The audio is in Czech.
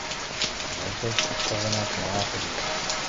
Byla zde též postavena malá pevnost.